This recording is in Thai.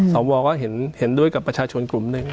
สวก็เห็นด้วยกับประชาชนกลุ่มหนึ่ง